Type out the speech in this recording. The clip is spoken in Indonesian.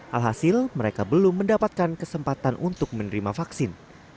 alhasil mereka belum mendapatkan kesempatan untuk menerima vaksin